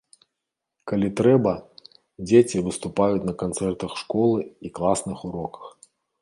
Калі трэба, дзеці выступаюць на канцэртах школы і класных уроках.